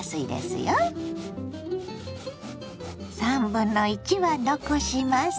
３分の１は残します。